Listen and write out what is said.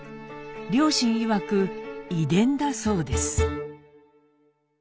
両親いわく遺伝だそうです。